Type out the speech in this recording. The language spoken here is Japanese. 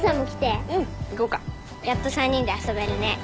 やっと３人で遊べるね。